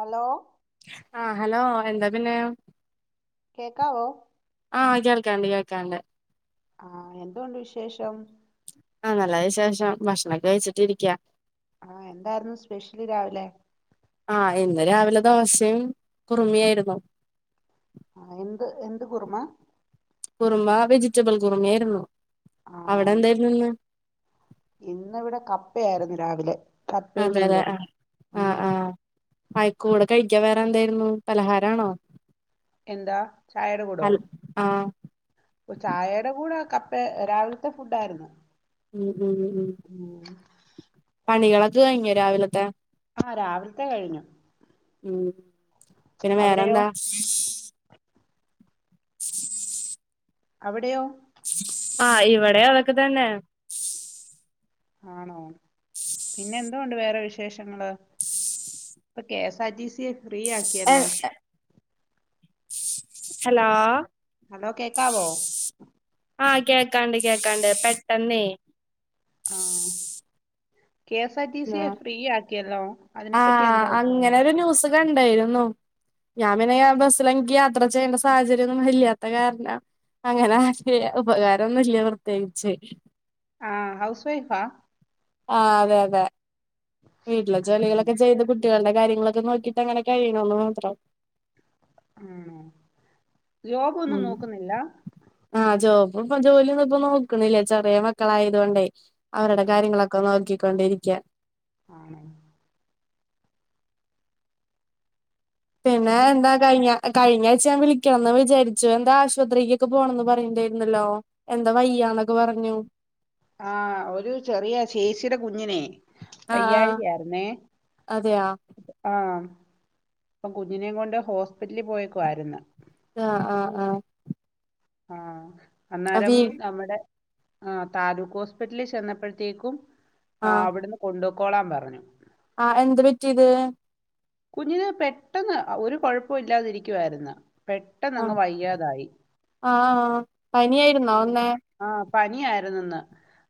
Hello ആഹ് hello എന്താ പിന്നെ? കേക്കാവോ ആഹ് കേൾക്കാണ്ട് കേൾക്കാണ്ട് ആഹ് എന്തോണ്ട് വിശേഷം ആഹ് നല്ല വിശേഷം ഭക്ഷണൊക്കെ കഴിച്ചിട്ടിരിയ്ക്കാ ആഹ് എന്തായിരുന്നു സ്പെഷ്യല് രാവിലെ? ആഹ് ഇന്ന് രാവിലെ ദോശയും കുറുമയും ആയിരുന്നു ആഹ് എന്ത് എന്ത് കുറുമ കുറുമ വെജിറ്റബിൾ കുറുമ ആയിരുന്നു ആ അവിടെന്തായിരുന്നു ഇന്ന് ഇന്നിവിടെ കപ്പ ആയിരുന്നു രാവിലെ കപ്പയും അതെലെ മീൻകറി ആഹ് ആഹ് ഉം ആഹ് ആയിക്കൂടെ കഴിക്കാ വേറെ എന്തായിരുന്നു പലഹാരാണോ? എന്താ ചായേടെ കൂടോ? അൽ ആഹ് ഓഹ് ചായേടെ കൂടെ കപ്പേ രാവിലത്തെ ഫുഡ് ആയിരുന്നു ഉം ഉം ഉം പണികളൊക്കെ കഴിഞ്ഞോ രാവിലത്തെ? ആഹ് രാവിലത്തെ കഴിഞ്ഞു ഉം പിന്നെ അവിടെയോ വേറെന്താ? [unintelligible] അവിടെയോ? ആഹ് ഇവിടേം അതൊക്കെ തന്നെ ആണോ പിന്നെ എന്തോ ഉണ്ട് വേറെ വിശേഷങ്ങള്? ഇപ്പ K S R T C free എ ആക്കിയല്ലോ ഹലോ ഹലോ കേക്കാവോ ആഹ് കേൾക്കാണ്ട് കേക്കാണ്ട് പെട്ടെന്നേയ് ആഹ് കെ എസ് ആർ ടി ആ സിയെ ഫ്രീ ആക്കിയല്ലോ അതിനെപ്പറ്റി എന്താ അഭിപ്രായം? വേണ്ടായിരുന്നു ഞാൻ പിന്നെ ആ [unintelligible] [unintelligible] യാത്ര ചെയ്യേണ്ട സാഹചര്യം ഒന്നും ഇല്ലാത്ത കാരണം അങ്ങനെ ആക്കിയേ ഉപകാരോന്നും ഇല്ല പ്രത്യേകിച്ച് ആഹ് ഹൗസ് വൈഫാ ആഹ് അതെ അതെ വീട്ടിലെ ആണോ ജോലികളൊക്കെ ചെയ്ത് കുട്ട് കുട്ടികളുടെ കാര്യങ്ങളൊക്കെ നോക്കിട്ട് അങ്ങനെ കഴണണൂന്ന് മാത്രം ആണോ ജോബ് ഒന്നും ഉം നോക്കുന്നില്ല ആഹ് ജോബ് ഇപ്പം ജോലിയൊന്നും ഇപ്പോ നോക്കണില്ലേ ചെറിയ മക്കളായതു കൊണ്ടേയ് അവരുടെ കാര്യങ്ങളൊ ക്കെ നോക്കിക്കൊണ്ട് ഇരിക്കാ ആണോ പിന്നെ എന്താ കഴിഞ്ഞോ? കഴിഞ്ഞാഴ്ച ഞാൻ വിളിക്കാന്ന് വിചാരിച്ചു. എന്താ ആശുപത്രീക്കൊക്കെ പോണന്ന് പറയുണ്ടായിരുന്നല്ലോ. എന്താ വയ്യാന്നൊക്കെ പറഞ്ഞു. ആഹ് ഒരു ചെറിയ ചേചിയുടെ കുഞ്ഞിനെ. ആഹ് ആഹ് വയ്യാഴിക ആയിരുന്നെ. അതെയാ ആഹ്. അപ്പം കുഞ്ഞിനേം കൊണ്ട് ഹോസ്പിറ്റലിൽ പോയേക്ക്വായിരുന്നു. ആഹ് ആഹ് ആഹ് ആഹ് അവി അന്നേരം നമ്മടെ. ആഹ് താലൂക്ക് ഹോസ്പിറ്റലിൽ ചെന്നപ്പഴത്തേക്കും. ആഹ് അവിടുന്ന് കൊണ്ടൊക്കോളാൻ പറഞ്ഞു. ആഹ്. എന്ത് പറ്റീത്. കുഞ്ഞിന് പെട്ടെന്ന് ഒരു കൊഴപ്പോം ഇല്ലാതിരിക്കുവാരുന്ന്. പെട്ടന്നങ്ങ് ആഹ് വയ്യാതായി. ആഹ് പനിയായിരുന്നോ ഉം വന്നേ ആഹ്. പനിയാരുന്നെന്ന്.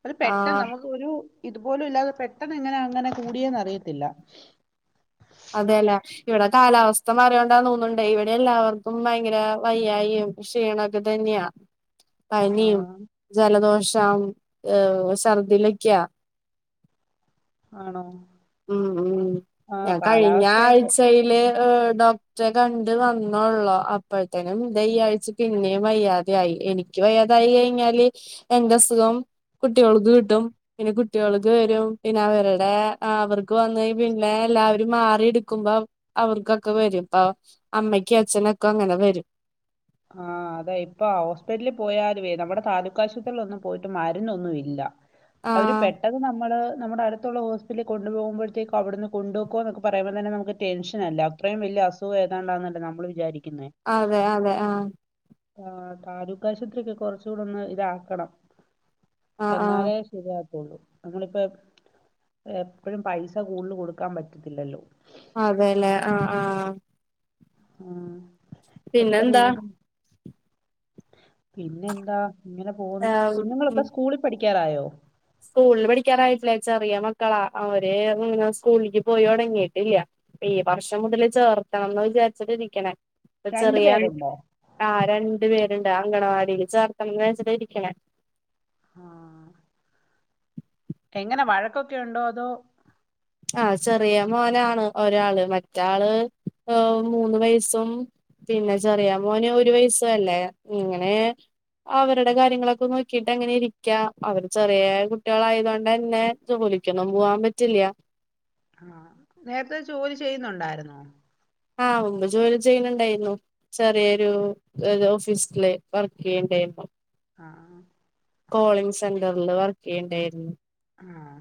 അത് പെട്ടെന്ന് ആഹ് നമുക്ക് ഒരു ഇതുപോലും ഇല്ലാതെ പെട്ടെന്ന് എങ്ങനാ അങ്ങനെ കൂടിയേന്ന് അറിയത്തില്ല. അതേ ലൊ ഇവിടെ കാലാവസ്ഥ മാറ്യോണ്ടാ തോന്ന്ണ്ടെ. ഇവിടെ എല്ലാവർക്കും ഭയങ്കര വയ്യായിം ക്ഷീണൊക്കെ തന്ന്യെ. ആ പനിം ജലദോഷം ഏഹ് ഛർദിനിക്ക്യ ആണോ ഉം ഉം ആ ഞാൻ കഴിഞ്ഞാ കാലാവസ്ഥയുടെ ആഴ്ചയില് ഡോ ക്ടെ കണ്ട് വന്നൊള്ളു. അപ്പഴത്തേനും ദെ ഈ ആഴ്ച പിന്നേം വയ്യാതെ ആയി എനി ക്യ് വയ്യാതായി കഴിഞ്ഞാല് എന്റെ അസുഖം കുട്ട്യോൾക്ക് കിട്ടും. പിന്നെ കുട്ട്യോൾക്ക് വെരും. പിന്നെ അവരുടെ ആഹ് അവർക്ക് വന്നാ പിന്നെ എല്ലാരും മാറി ഇടുക്കുമ്പം അവർക്കൊക്കെ വെരും ഇപ്പ അമ്മയ്ക്കും അച്ഛനൊക്കെ അങ്ങനെ വെരും. ആഹ് അതെ ഇപ്പൊ ഹോസ്പിറ്റല്ല് പോയാലുവെ നമ്മടെ താലൂക്ക് ആശുപത്രീലൊന്നും പോയിട്ട് മരുന്നൊന്നും ഇല്ല. ആ അവര് പെട്ടെത് നമ്മള് നമ്മുടെ അടുത്തുള്ള ഹോ സ്പിറ്റലില് കൊണ്ടു പോകുമ്പഴത്തേക്കും അവ്ട്ന്ന് കൊണ്ടോകോന്നൊക്കെ പറയുമ്പം തന്നെ നമക്ക് ടെൻഷനല്ലെ. അത്രേം വല്യ അസു സുഖേതാണ്ടാന്നല്ലെ നമ്മള് വിചാരിക്കുന്നെ. അതെ അതെ ആഹ് ആഹ് താലൂക്ക് ആശുപത്രി ഒക്കെ കൊർച്ചൂടെ ഒന്ന് ഇതാക്കണം ആ ആ എന്നാലെ. ശെരിയാവത്തൊള്ളു. ഞമ്മളിപ്പൊ എപ്പഴും പൈസ കൂടുല് കൊടുക്കാൻ പറ്റത്തില്ലല്ലൊ. അതേലെ ആഹ് ആഹ് ആഹ് എത്ര പിന്നെന്താ രൂപം. പിന്നെ എന്താഇങ്ങനെ പോന്നു. കുഞ്ഞുങ്ങളൊക്കെ സ്കൂളി പഠിക്കാറായോ. സ്കൂൾല് പഠിക്ക്യാറായിട്ടില്ല. ചെറിയ മക്കളാ. അവര് ഇങ്ങനെ സ്കൂള്ക്ക് പോയൊടങ്ങീട്ടില്ല. ഈ വർഷം മുതല് ചേർക്കണംന്ന് വിചാരിച്ചിട്ട് ഇരിക്ക്ണെ. ഇപ്പം രണ്ടു ചെറീയം. പേരുണ്ടോ ആഹ് രണ്ട് പേര്ണ്ട്. അങ്കണവാടീല് ചേർക്കണംന്ന് വെച്ചിട്ടാ ഇരിക്ക്ണെ. ആഹ്. എങ്ങനെ വഴക്കൊക്കെ ഇണ്ടോ അതോ. ആഹ് ചെറിയ മോനാണ്. ഒരാള് മറ്റാള് ഏഹ് മൂന്ന് വയസും. പിന്നെ ചെറിയ മോന് ഒരു വയസു അല്ലെ. ഇങ്ങനെ. അവര്ടെ കാര്യങ്ങളൊക്കെ നോക്കീട്ട് അങ്ങനെ ഇരിക്ക്യാ. അവര് ചെറ്യേ കുട്ട്യേളായതോണ്ടെന്നെ ജോലിക്കൊന്നും പോവാൻ പറ്റില്ല. ആഹ്. നേര്ത്തെ ജോലി ചെയ്യുന്നുണ്ടായിരുന്നോ. ആഹ് മുമ്പ് ജോലി ചെയ്യുന്നുണ്ടായ്ന്നു. ചെറ്യേ ഒരു ഓഫീസ്ല് വർക്ക് ചെയ്യ്ണ്ടായിന്നു. ആഹ് ആഹ് കോളിംഗ് സെന്റർല് വർക്കെയ്യ്ണ്ടേർന്നു ആഹ്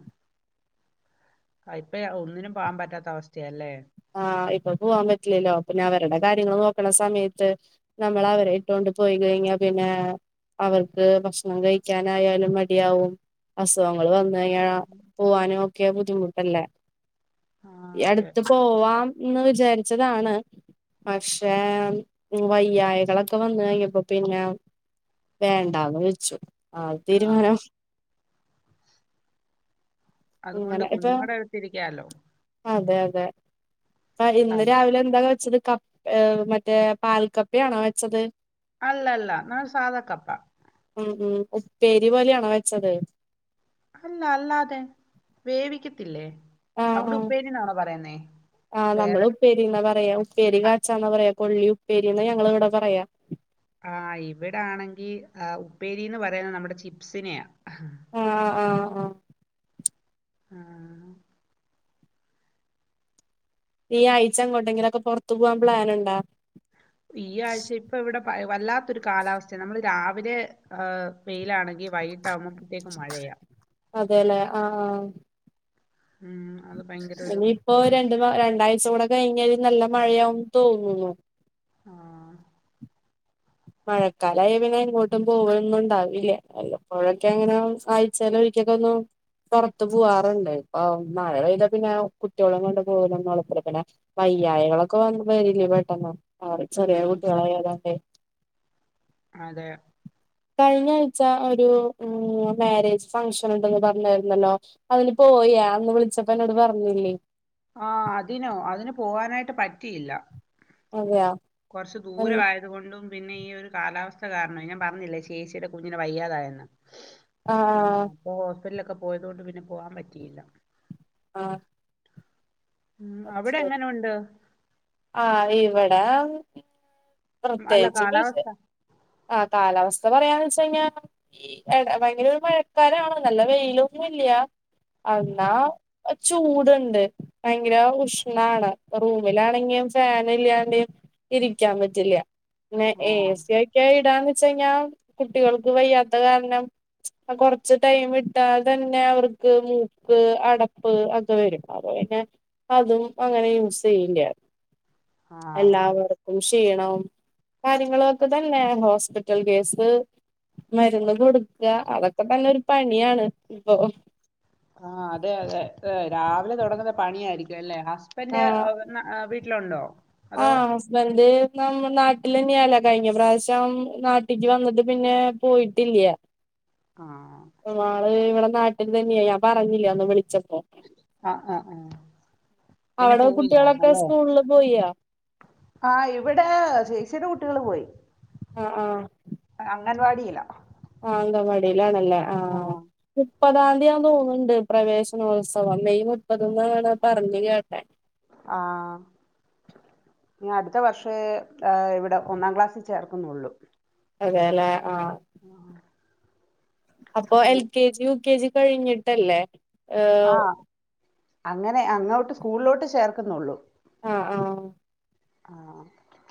അത് ഇപ്പം ഒന്നിനും പോവാൻ പറ്റാത്ത അവസ്ഥയല്ലേ ആഹ് ഇപ്പൊ പോവാൻ പറ്റില്ലല്ലോ പിന്നെ അവര്ടെ കാര്യങ്ങള് നോക്ക്ണ സമയത്ത് നമ്മളെ അവരെ ഇട്ടോണ്ട് പോയിക്കയിഞ്ഞാ പിന്നെ അവർക്ക് ഭക്ഷണം കഴിക്ക്യാനായാലും മടിയവും അസുഖങ്ങള് വന്ന് കഴിഞ്ഞാ പോവാനൊക്കെ ബുദ്ധിമുട്ടല്ല ആ ഈ അതെ അട്ത്ത് പോവാം എന്ന് വിചാരിച്ചതാണ് പക്ഷേ വയ്യായികളൊക്കെ വന്ന് കഴിഞ്ഞപ്പോ പിന്നെ വേണ്ടന്ന് വെച്ചു ആഹ് ആ തീരുമാനം അതുകൊണ്ട് അങ്ങനെ ഇപ്പൊ കുഞ്ഞുങ്ങടെ അടുത്തരിക്കാലോ അതെ അതെ അപ്പ ആ, ഇന്ന് രാവിലെ എന്താ വെച്ചത് കപ്പ മറ്റേ പാൽ കപ്പയാണോ വെച്ചത് അല്ല അല്ല ഞാൻ സാധ കപ്പ ഉം ഉം ഉപ്പേരി പോലെയാണോ വെച്ചത് അല്ല അല്ലാതെ വേവിക്കത്തില്ലേ ആഹ് അവിടെ ആഹ് ഉപ്പേരിന്നാണോ പറയുന്നേ ആഹ് വേറെ നമ്മള് ഉപ്പേരിന്നാ പറയാ ഉപ്പേരി ആ കാച്ചാന്നാ പറയാ കൊള്ളി ഉപ്പേരീന്ന് ഞങ്ങള് ഇവിടെ പറയാ ആഹ് ഇവിടെ ആണെങ്കി ആഹ് ഉപ്പേരീന്ന് പറയുന്നത് നമ്മടെ ചിപ്സിനെയ ആഹ് ആഹ് ആഹ് ആഹ് ഈ ആഴ്ച എങ്ങോട്ടെങ്കിലൊക്കെ പൊറത്തു പൂവാൻ പ്ലേൻണ്ടാ ഈ ആഴ്ച ഇപ്പവിടെ വല്ലാത്തൊരു കാലാവസ്തേ നമ്മള് രാവിലെ ഏ വെയിലാണെങ്കി വൈകിട്ടാവുമ്പോ അതേലേ ആആഹ് ഉം, അത് ഭയങ്കര ഒരു ഇനിയിപ്പോ ഉം, രണ്ട് മാ രണ്ടാഴ്ച കൂടെ കഴിഞ്ഞഴ്‌ നല്ല മഴയാവും തോന്നുന്നു ആഹ് മഴക്കാലായാ പിന്നെ എങ്ങോട്ടും പോവലൊന്നുംണ്ടാവില്ല വല്ലപ്പോഴൊക്കെ ഇങ്ങനെ ആയ്ച്ചേലൊരിക്കെക്കൊന്ന് പൊറത്ത് പൂവാറ്ണ്ട് ഇപ്പൊ മഴ പെയ്ത പിന്നെ കുട്ട്യോളേം കൊണ്ട് പോവലൊന്നും [unintelligible] പിന്നെ വയ്യായികളൊക്കെ വന്ന വരില്ലേ പെട്ടെന്ന് അവർ ചെറിയ ഉം, കുട്ടികളായതോണ്ടേ അതെ കഴിഞ്ഞ ആഴ്ച ഒരു ഉം മാരേജ് ഫങ്ഷൻ ഉണ്ടെന്ന് പറഞ്ഞായിരുന്നല്ലോ അതിന് പോയാ അന്ന് വിളിച്ചപ്പൊ എന്നോട് പറഞ്ഞില്ലേ ആഹ് അതിനോ അതിന് പോവാനായിട്ട് പറ്റിയില്ല അതെയാ കൊറച്ച് ആഹ് ദൂരവായ ത്കൊണ്ടും പിന്നെ ഈ ഒരു കാലാവസ്ഥ കാരണം ഞാൻ പറഞ്ഞില്ലേ ചേച്ചിടെ കുഞ്ഞിന് വയ്യാതായെന്ന് ആഹ്‌ ആഹ് അപ്പൊ ഹോസ്പിറ്റ്ലൊക്കെ പോയതോണ്ട് പിന്നെ പോവാൻ പറ്റിയില്ല ആഹ് ഉം അത് അവ്ടെ ശരി എങ്ങനെ ഉണ്ട് ആഹ് ഇവെടാ അല്ല പ്രത്യേകിച്ച് [unintelligible] കാലാവസ്ഥ ആഹ് കാലാവസ്ഥ പറയാന്ന് വെച്ച് കഴിഞ്ഞാ ഈ എട ഭയങ്കരൊരു മഴക്കാലാണ് നല്ല വെയിലൊന്നും ഇല്ല്യാ എന്നാ ചൂട്ണ്ട് ഭയങ്കര ഉഷ്ണാണ് പ്പൊ റൂമിലാണെങ്ങിം ഫാൻ ഇല്ല്യാണ്ടേ ഇരിക്കാൻ പ റ്റില്ല പിന്നെ ഏ ആഹ് സി ഒക്കെ ഇടാന്ന് വെച്ചെയ്‌ഞ്ഞാ കുട്ടികൾക്ക് വയ്യാത്ത കാരണം ആ കൊറച്ച് ടൈം ഇട്ടാൽ തന്നെ അവർക്ക് മൂക്ക് അടപ്പ് അ ക്കെ വരും അപ്പൊ പിന്നെ അതും അങ്ങനെ യൂസ് ചെയ്യില്ല്യ ആഹ് എല്ലാവർക്കും ക്ഷീണം കാര്യങ്ങളൊക്കെ തന്നേ ഹോസ്പിറ്റൽ കേസ് മര്ന്ന് കൊട്ക്കാ അതൊക്കെ തന്നെ ഒരു പണിയാണ് ഇപ്പൊ ആഹ് അതെ അതെ ഏഹ് രാവിലെ തൊടങ്ങ്ന്ന പണിയായിരിക്കും അല്ലേ ഹസ് ബന്റ് എ ആഹ് നാ ഏ വീട്ടിലുണ്ടോ അതോ ബന്റ് നമ്മ നാട്ടിലന്നെയാണ് കഴിഞ്ഞ പ്രാവശ്യം നാട്ടിക്ക് വന്ന്ട്ട് പിന്നേ പോയിട്ടില്ല്യ ആഹ് ആള് ഇവടെ നാട്ടിൽ തന്നെയാ ഞാൻ പറഞ്ഞില്ലേ അന്ന് വിളിച്ചപ്പോ ആഹ് ആഹ് ആഹ് പിന്നെ അവടെ കുട്ട്യേളെക്കെ പോയില്ലായിരുന്നല്ലേ സ്കൂള്ല് പോയ്യാ ആഹ് ഇവിടേ ചേച്ചിടെ കുട്ടികള് പോയി ആഹ് ആഹ് അംഗൻവാടിയിലാ ആഹ് അംഗൻവാടിയിലാണല്ലേ ആഹ് മുപ്പതാംന്തിയാ തോന്ന്ണ്ട് പ്രവേശനോത്സവം മെയ് മുപ്പത് ന്നാണ് പറഞ്ഞ് കേട്ടേ ആഹ് ഇഞ് അട്ത്ത വർഷേ ഏഹ് ഇവിടെ ഒന്നാം ക്ലാസ്സിൽ ചേർക്കുന്നൊള്ളു അതേലേ ആഹ് ആഹ്‌ അപ്പൊ L K G U K G കഴിഞ്ഞിട്ടല്ലേ. ഏഹ് ആഹ് അങ്ങനെ അങ്ങോട്ട് സ്കൂളിലോട്ട് ചേർക്കുന്നുള്ളു. ആഹ് ആഹ്. ആഹ്.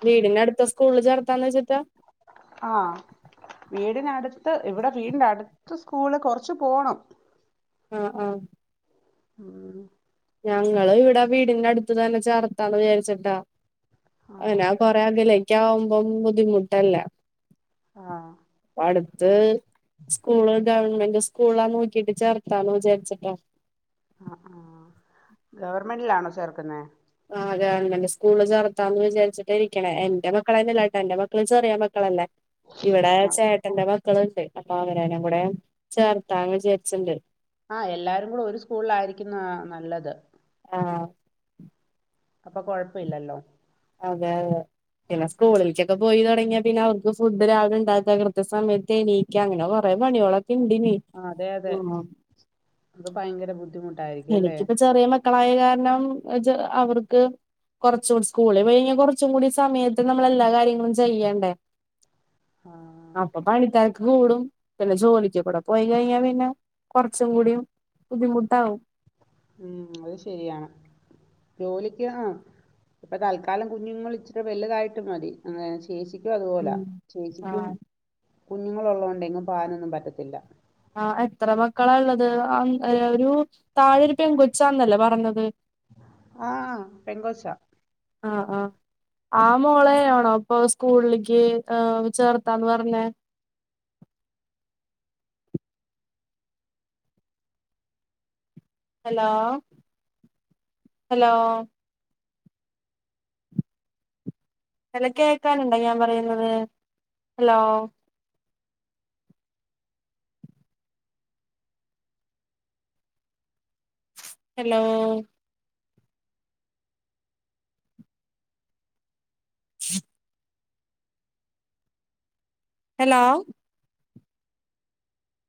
വീടിന്നടുത്തെ സ്കൂളില് ചേർത്താലോച്ചിട്ടാ. ആഹ് വീടിനടുത്ത് ഇവിടെ വീടിന്റെ അടുത്ത് സ്കൂള് കൊറച്ച് പോണം. ആഹ് ആഹ്. ഉം. ഞങ്ങള് ഇവിടെ വീടിന്റെ അടുത്ത് തന്നെ ചേർത്താന്ന് വിചാരിച്ചിട്ടാ. അ [unintelligible] ആഹ് കൊറെ അകലേക്ക ആവുമ്പം ബുദ്ധിമുട്ടല്ലേ. ആഹ് അടുത്ത് സ്കൂള് ഗവൺമെന്റ് സ് കൂളാ നോക്കിയിട്ട് ചേർത്താലോ വിചാരിച്ചിട്ട. ആഹ് ആഹ്. ഗവർമെൻറിലാണോ ചേർക്കുന്നേ. ആഹ് ഗവൺമെന്റ് സ്കൂള് ചേർത്താന്ന് വിചാരിച്ചിട്ട ഇരിക്കണേ എന്റെ മക്കളെന്നല്ലട്ട എന്റെ മക്കള് ചെറിയ മക്കളല്ലേ. ഇവിടെ ആഹ് ചേട്ടന്റെ മക്കള്ണ്ട് അവനേനിംകൂടെ ചേർത്താന്ന് വിചാരിച്ചിണ്ട്. ആഹ് എല്ലാവരും കൂടെ ഒരു സ്കൂളിലായിരിക്കുന്നതാ നല്ലത്. ആഹ്. അപ്പൊ കൊഴപ്പ ഇല്ലല്ലോ. അതെ അതെ. പിന്നെ സ്കൂളിൽക്കൊക്കെ പോയി തൊടങ്ങിയാ പിന്നെ അവർക്ക് ഫുഡ് രാവിലെ ഇണ്ടാക്ക കൃത്യ സമയത്തേണീ ക്ക അങ്ങനെ കൊറേ പണേളൊക്കെണ്ടിനി. ആഹ് അതെ അതെ അത് ഭയങ്കര ബുദ്ധിമു എനിക്കിപ്പ ചെറിയ മക്കളായ കാരണം ചെ അവർക്ക്. കൊർച്ചും സ്കൂളിൽ കഴിഞ്ഞ കൊർച്ചും കൂടി സമയത്ത് നമ്മള് എല്ലാ കാര്യങ്ങളും ചെയ്യണ്ടേ. ആഹ്. പണിത്തരക്ക് കൂടും പിന്നെ ജോലിക്ക് കൂടെ പോയി കഴിഞ്ഞാ പിന്നെ കൊർച്ചും കൂടിം. ബുദ്ധിമുട്ടാവും. ഉം അയ് ശരിയാണ്. ജോലിക്ക് ആഹ് ഇപ്പൊ തൽക്കാലം കുഞ്ഞുങ്ങൾ ഇച്ചിരി വലുതായിട്ട് മതി അങ്ങനെ ചെ ചേച്ചിക്കും അതുപോല ഉം ചേച്ചിക്കും ആഹ് കുഞ്ഞുങ്ങളുള്ളോണ്ടെയ് എങ്ങും പോവാനൊന്നും പറ്റത്തില്ല. ആഹ് എത്ര മക്കളാ ഇള്ളത് അം ഒരു താഴെരുപെൻകൊച്ചാന്നല്ലേ പറഞ്ഞത്. ആഹ് പെൺകൊച്ച. ആഹ് ആഹ്. ആഹ് മോളെയാണോ ഇപ്പൊ സ്കൂളിക്ക് ഏഹ് ചേർത്താന്ന് പർഞ്ഞേ. Hello hello. ഹലോ കേക്കാനുണ്ടോ ഞാൻ പറയുന്നത് ഹലോ. ഹലോ. [inaudible] ഹലോ.